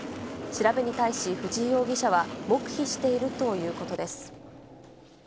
調べに対し藤井容疑者は、黙秘しているということです。